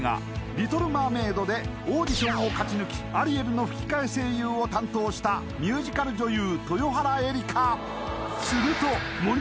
「リトル・マーメイド」でオーディションを勝ち抜きアリエルの吹替声優を担当したミュージカル女優